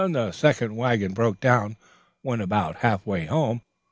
"The second wagon broke down when about half way home.